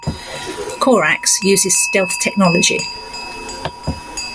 Corax uses stealth technology.